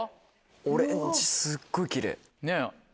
オレンジすっごい奇麗。